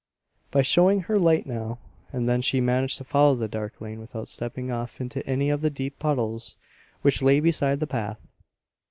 By showing her light now and then she managed to follow the dark lane without stepping off into any of the deep puddles which lay beside the path.